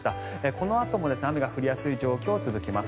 このあとも雨が降りやすい状況は続きます。